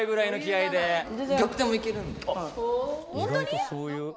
い外とそういう。